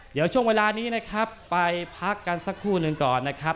เดี๋ยวช่วงเวลานี้นะครับไปพักกันสักครู่หนึ่งก่อนนะครับ